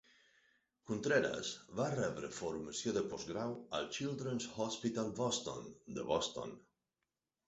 Contreras va rebre formació de postgrau al Children's Hospital Boston de Boston.